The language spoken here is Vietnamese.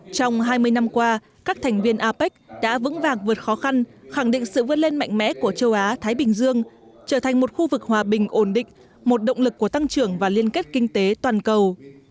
trong hai mươi năm qua các thành viên apec đã vững vàng vượt khó khăn khẳng định sự vươn lên mạnh mẽ của châu á thái bình dương trở thành một khu vực hòa bình ổn định một động lực của tăng trưởng và liên kết kinh tế toàn cầu